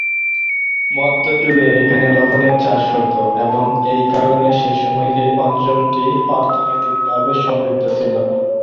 মধ্যযুগে এখানে লবণের চাষ হত এবং এই কারণে সেসময় এই অঞ্চলটি অর্থনৈতিকভাবে সমৃদ্ধ ছিল।